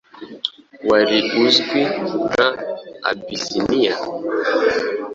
wari uzwi nka Abyssinia,